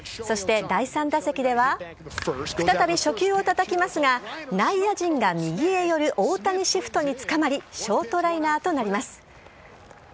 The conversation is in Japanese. そして第３打席では、再び初球をたたきますが、内野陣が右へ寄る大谷シフトにつかまり、ショートライナーとなります。